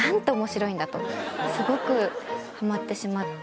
すごくハマってしまって。